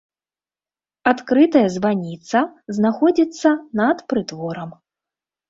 Адкрытая званіца знаходзіцца над прытворам.